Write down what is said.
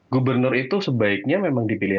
gubernur itu sebaiknya memang dipilih